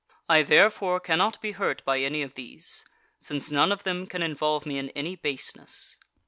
I therefore cannot be hurt by any of these, since none of them can involve me in any baseness.